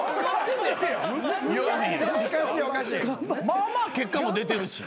まあまあ結果も出てるし。